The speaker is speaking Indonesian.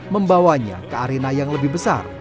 membawanya ke arena yang lebih besar